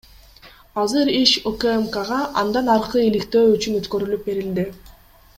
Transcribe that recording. Азыр иш УКМКга андан аркы иликтөө үчүн өткөрүлүп берилди.